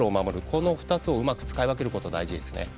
この２つをうまく使い分けることが大事ですね。